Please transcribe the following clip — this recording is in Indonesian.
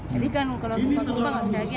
jadi kan kalau kempat kempat gak bisa lagi